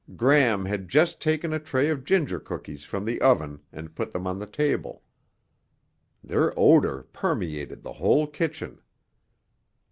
Gram had just taken a tray of ginger cookies from the oven and put them on the table. Their odor permeated the whole kitchen.